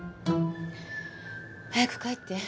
早く帰って。